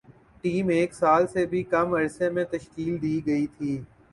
team ایک سال سے بھی کم عرصے میں تشکیل دی گئی تھی